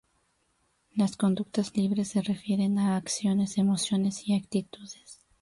Las conductas libres se refieren a acciones, emociones y actitudes.